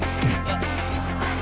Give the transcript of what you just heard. mak kita susulin yuk